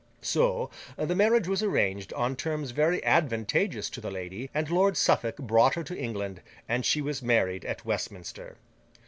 So, the marriage was arranged, on terms very advantageous to the lady; and Lord Suffolk brought her to England, and she was married at Westminster.